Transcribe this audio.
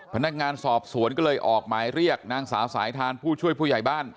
พนักงานสอบสวนก็เลยออกหมายเรียกนางสาวสายทานผู้ช่วยผู้ใหญ่บ้าน